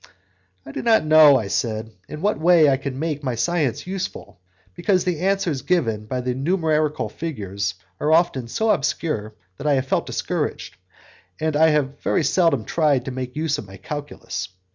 "I do not know," I said, "in what way I could make my science useful, because the answers given by the numerical figures are often so obscure that I have felt discouraged, and I very seldom tried to make any use of my calculus.